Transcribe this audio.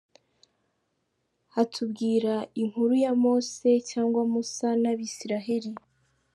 Hatubwiira inkuru ya Mose cyangwa Musa n’abisiraheri.